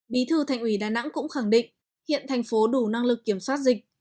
bí thư thành ủy đà nẵng cũng khẳng định hiện thành phố đủ năng lực kiểm soát dịch